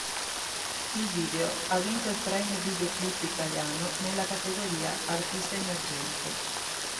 Il video ha vinto il Premio Videoclip Italiano nella categoria "artista emergente".